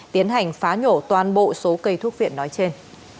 tiến hành phá nhổ toàn bộ số cây thuốc viện nói trên